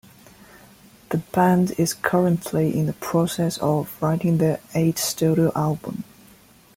The band is currently in the process of writing their eighth studio album.